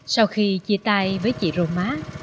sau khi chia tay với chị roma